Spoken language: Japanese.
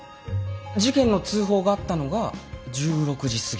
事件の通報があったのが１６時過ぎ。